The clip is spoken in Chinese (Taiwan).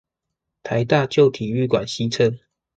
臺大舊體育館西側